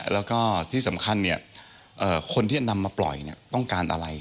แล้วก็ที่สำคัญคนที่นำมาปล่อยต้องการอะไร